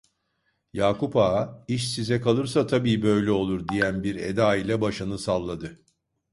Yakup Ağa: "İş size kalırsa tabii böyle olur!" diyen bir eda ile başını salladı.